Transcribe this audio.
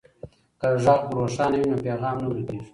که غږ روښانه وي نو پیغام نه ورکیږي.